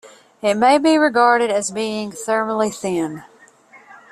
It may be regarded as being "thermally thin".